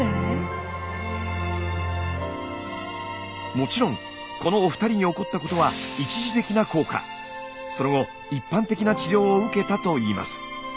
もちろんこのお二人に起こったことはその後一般的な治療を受けたといいます。